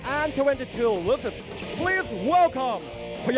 วันนี้เป็นอุปกรณีที่เขายูวิคับก่อนครับ